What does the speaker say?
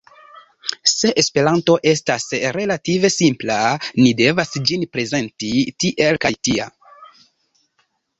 Se Esperanto estas relative simpla, ni devas ĝin prezenti tiel kaj tia.